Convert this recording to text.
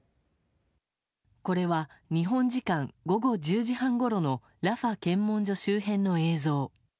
これは日本時間後午後１０時半ごろのラファ検問所周辺の映像。